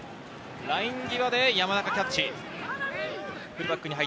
ライン際で山中、キャッチ。